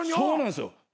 そうなんですよ。